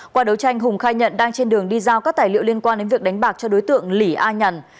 qua đấu tranh hùng khai nhận đang trên đường đi giao các tài liệu liên quan đến việc đánh bạc cho đối tượng lý a nhàn